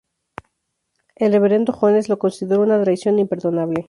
El reverendo Jones lo consideró una traición imperdonable.